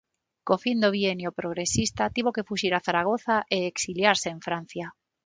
Co fin do Bienio Progresista tivo que fuxir a Zaragoza e exiliarse en Francia.